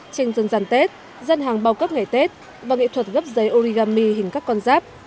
tranh dân dàn tết dân hàng bao cấp ngày tết và nghệ thuật gấp giấy origami hình các con giáp